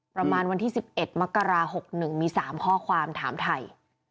ประมาณวันที่๑๑มกรา๖๑มี๓ข้อความถามไทย